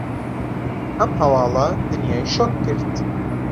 ئەم هەواڵە دنیای شۆک کرد.